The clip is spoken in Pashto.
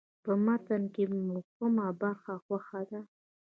په متن کې مو کومه برخه خوښه ده.